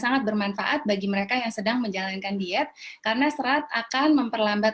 sangat bermanfaat bagi mereka yang sedang menjalankan diet karena serat akan memperlambat